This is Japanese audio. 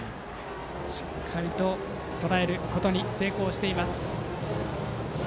しっかりととらえることに成功しています。